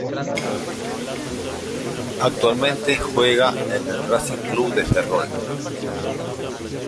Actualmente juega en el Racing Club de Ferrol.